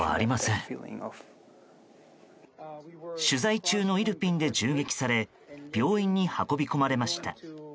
取材中のイルピンで銃撃され病院に運び込まれました。